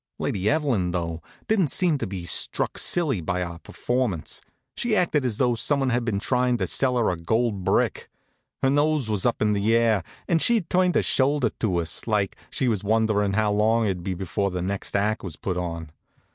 Lady Evelyn, though, didn't seem to be struck silly by our performance. She acted as though someone had been tryin' to sell her a gold brick. Her nose was up in the air, and she'd turned a shoulder to us, like she was wonderin' how long it would be before the next act was put on.